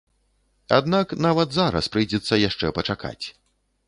Аднак, нават зараз прыйдзецца яшчэ пачакаць.